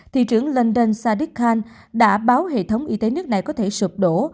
thị trưởng london sadiq khan đã báo hệ thống y tế nước này có thể sụp đổ